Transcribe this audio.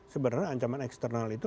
sebenarnya ancaman eksternal itu